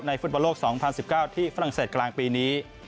ฟุตบอลโลก๒๐๑๙ที่ฝรั่งเศสกลางปีนี้